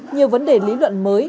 nhiều vấn đề lý luận mới